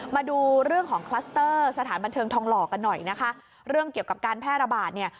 มาดูเรื่องของคลัสเตอร์สถานบันเทิงทองหล่อกันหน่อยนะคะเรื่องเกี่ยวกับการแพร่ระบาดเนี่ย